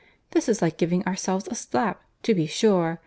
This is like giving ourselves a slap, to be sure!